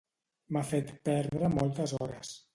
M'ha fet perdre moltes hores